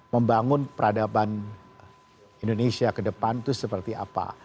membangun peradaban indonesia ke depan itu seperti apa